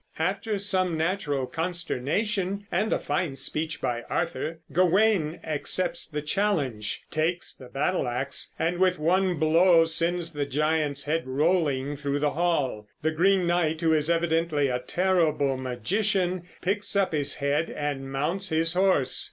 After some natural consternation and a fine speech by Arthur, Gawain accepts the challenge, takes the battle ax, and with one blow sends the giant's head rolling through the hall. The Green Knight, who is evidently a terrible magician, picks up his head and mounts his horse.